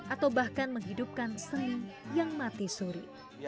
atau bahkan menghidupkan seni yang mati suri